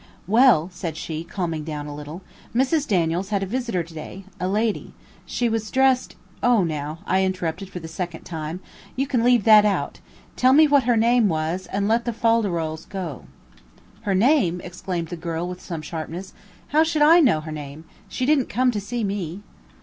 "Well," said she, calming down a little, "Mrs. Daniels had a visitor to day, a lady. She was dressed " "O, now," interrupted I for the second time, "you can leave that out. Tell me what her name was and let the fol de rols go." "Her name?" exclaimed the girl with some sharpness, "how should I know her name; she did'nt come to see me."